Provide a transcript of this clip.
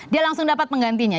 dia langsung dapat penggantinya